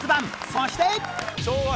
そして